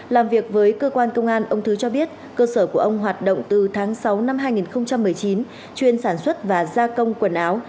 làm việc với cơ quan công an ông thứ cho biết cơ sở của ông hoạt động từ tháng sáu năm hai nghìn một mươi chín chuyên sản xuất và gia công quần áo